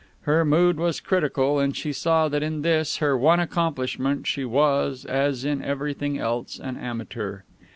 Her mood was critical, and she saw that in this, her one accomplishment, she was, as in everything else, an amateur.